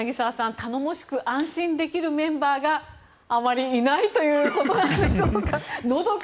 頼もしく安心できるメンバーがあまりいないということなんでしょうか。